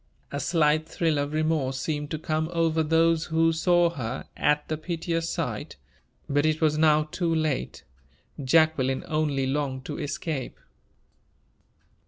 A slight thrill of remorse seemed to come over those who saw her, at the piteous sight; but it was now too late. Jacqueline only longed to escape.